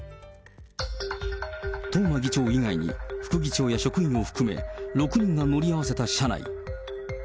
東間議長以外に副議長や職員を含め６人が乗り合わせた車内。